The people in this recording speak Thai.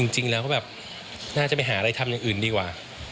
จริงแล้วแบบน่าจะไปหาอะไรทำอย่างอื่นดีกว่า